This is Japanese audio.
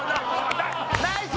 ナイス！